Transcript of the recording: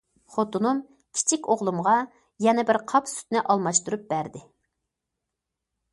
خوتۇنۇم كىچىك ئوغلۇمغا يەنە بىر قاپ سۈتنى ئالماشتۇرۇپ بەردى.